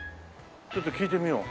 ちょっと聞いてみよう。